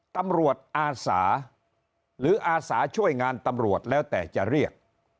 อาสาหรืออาสาช่วยงานตำรวจแล้วแต่จะเรียก